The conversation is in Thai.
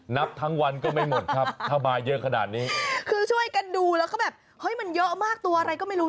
นับทั้งวันก็ไม่หมดครับถ้ามาเยอะขนาดนี้คือช่วยกันดูแล้วก็แบบเฮ้ยมันเยอะมากตัวอะไรก็ไม่รู้